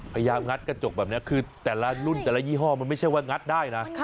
งัดกระจกแบบนี้คือแต่ละรุ่นแต่ละยี่ห้อมันไม่ใช่ว่างัดได้นะ